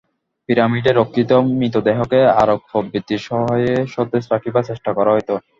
পিরামিডে রক্ষিত মৃতদেহকে আরক প্রভৃতির সহায়ে সতেজ রাখিবার চেষ্টা করা হইত।